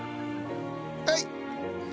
はい！